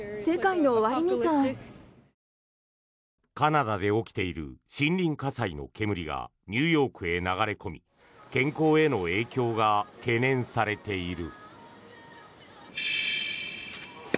カナダで起きている森林火災の煙がニューヨークへ流れ込み健康への影響が懸念されている。